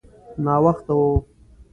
ناوخته و.